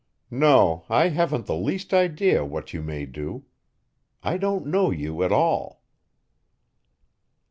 No, I haven't the least idea what you may do. I don't know you at all."